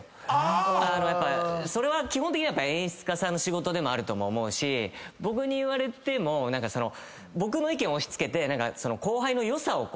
それは基本的には演出家さんの仕事でもあるとも思うし僕に言われても僕の意見を押し付けて。